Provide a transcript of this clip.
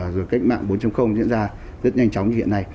rồi cách mạng bốn diễn ra rất nhanh chóng như hiện nay